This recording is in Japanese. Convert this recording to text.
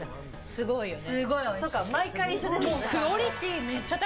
すごいよね。